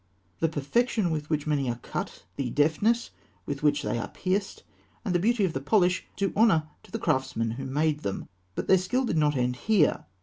The perfection with which many are cut, the deftness with which they are pierced, and the beauty of the polish, do honour to the craftsmen who made them. But their skill did not end here.